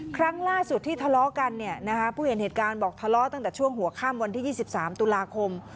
ครั้งล่าสุดที่ทะเลาะกันเนี่ยนะคะผู้เห็นเหตุการณ์บอกทะเลาะตั้งแต่ช่วงหัวข้ามวันที่๒๓ตุลาคม